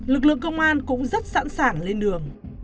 lực lượng công an cũng rất sẵn sàng lên đường